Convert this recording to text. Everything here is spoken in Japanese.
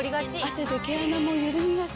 汗で毛穴もゆるみがち。